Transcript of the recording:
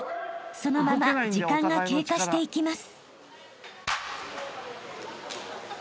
［そのまま時間が経過していきます］